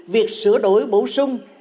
việc sửa đổi bổ sung